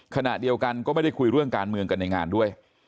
ขณะเดียวกันก็ไม่ได้คุยเรื่องการเมืองกันในงานด้วย